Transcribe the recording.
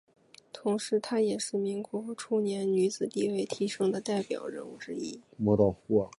同时她也是民国初年女子地位提升的代表人物之一。